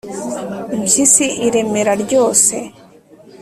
» impyisi iremera ryose